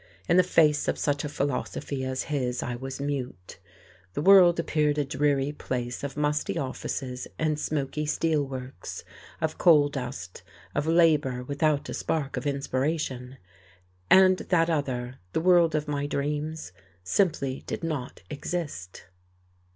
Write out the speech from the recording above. In the face of such a philosophy as his I was mute. The world appeared a dreary place of musty offices and smoky steel works, of coal dust, of labour without a spark of inspiration. And that other, the world of my dreams, simply did not exist.